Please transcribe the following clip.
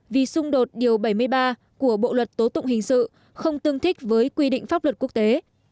vì xung đột điều bảy mươi ba của bộ luật tố tụng hình sự không tương thích với quy định pháp luật quốc tế